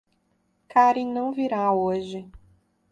Karin não virá hoje.